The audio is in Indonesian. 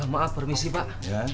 maaf permisi pak